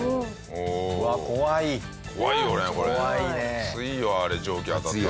熱いよあれ蒸気当たったら。